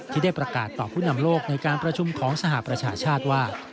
ที่ได้ประกาศต่อผู้นำโลกในการประชุมของสหประชาชาติว่า